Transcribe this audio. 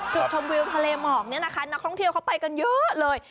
จุดชมวิวทะเลหมอกเนี่ยนะคะนักท่องเที่ยวเขาไปกันเยอะเลย